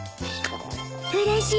うれしい？